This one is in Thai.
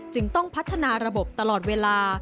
จึงต้องพัฒนาระบบตลอดเวลา